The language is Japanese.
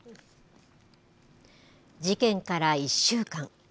事件から１週間。